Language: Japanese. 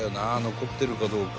残ってるかどうか」